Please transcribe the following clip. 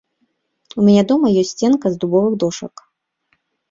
У мяне дома ёсць сценка з дубовых дошак.